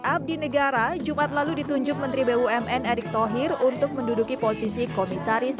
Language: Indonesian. abdi negara jumat lalu ditunjuk menteri bumn erick thohir untuk menduduki posisi komisaris